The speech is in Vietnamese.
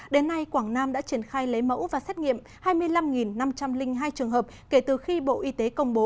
đến nay quảng nam đã triển khai lấy mẫu và xét nghiệm hai mươi năm năm trăm linh hai trường hợp kể từ khi bộ y tế công bố